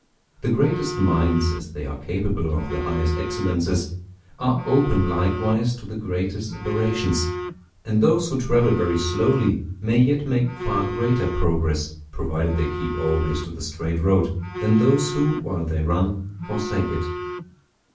The greatest minds, as they are capable of the highest excellences, are open likewise to the greatest aberrations; and those who travel very slowly may yet make far greater progress, provided they keep always to the straight road, than those who, while they run, forsake it.